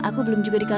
aku belum juga dikawal